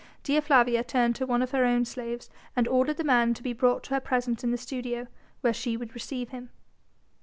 Dea Flavia turned to one of her own slaves and ordered the man to be brought to her presence in her studio where she would receive him.